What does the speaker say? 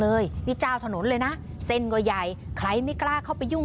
เลยนี่เจ้าถนนเลยนะเส้นก็ใหญ่ใครไม่กล้าเข้าไปยุ่ง